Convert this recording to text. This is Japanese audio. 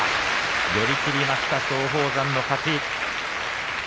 寄り切りました、松鳳山の勝ち。